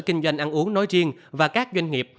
kinh doanh ăn uống nói riêng và các doanh nghiệp